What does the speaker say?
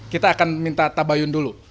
kita akan minta tabayun dulu